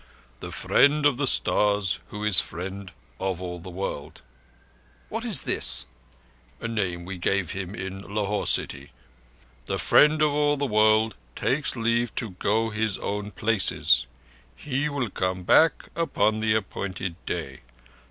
"'The Friend of the Stars, who is the Friend of all the World—'" "What is this?" "A name we give him in Lahore city. '_The Friend of all the World takes leave to go to his own places. He will come back upon the appointed day.